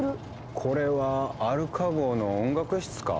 これはアルカ号の音楽室か？